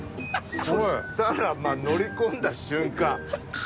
そしたら乗り込んだ瞬間。